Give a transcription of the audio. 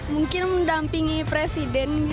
mungkin mendampingi presiden gitu